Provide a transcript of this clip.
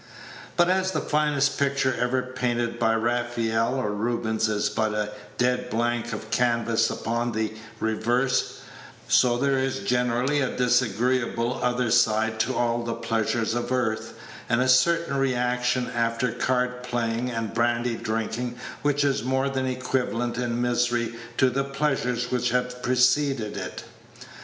But as the finest picture ever painted by Raphael or Rubens is but a dead blank of canvas upon the reverse, so there is generally a disagreeable other side to all the pleasures of earth, and a certain reaction after card playing and brandy drinking which is more than equivalent in misery to the pleasures which have preceded it.